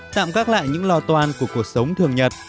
tạm gác lại những lo toan của cuộc sống thường nhật